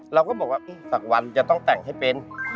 เราก็บอกว่าสักวันจะต้องแต่งให้เป็น